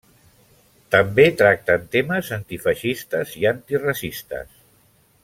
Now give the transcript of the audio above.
També tracten temes antifeixistes i antiracistes.